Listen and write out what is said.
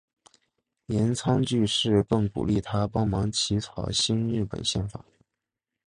岩仓具视更鼓励他帮忙起草新日本宪法。